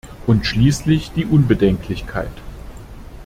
Und schließlich die Unbedenklichkeit.